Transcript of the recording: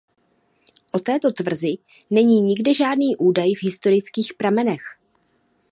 O této tvrzi není nikde žádný údaj v historických pramenech.